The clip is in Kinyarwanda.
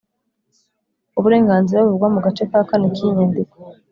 Uburenganzira buvugwa mu gace ka kane k’iyi nyandiko